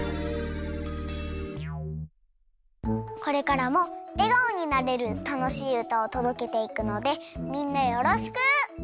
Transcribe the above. これからもえがおになれるたのしいうたをとどけていくのでみんなよろしく！